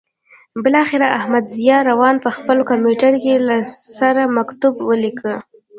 بالاخره احمدضیاء روان په خپل کمپیوټر کې له سره مکتوب ولیکه.